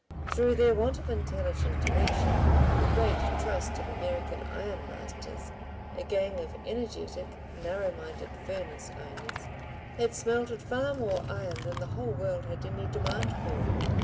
Through their want of intelligent direction the great "Trust" of American ironmasters, a gang of energetic, narrow minded furnace owners, had smelted far more iron than the whole world had any demand for.